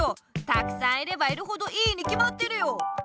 たくさんいればいるほどいいにきまってるよ！